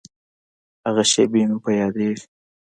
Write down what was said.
هغه شېبې مې په یادیږي.